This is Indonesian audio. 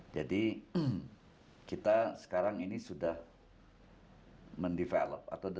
jadi kita sekarang ini sudah mendeveloped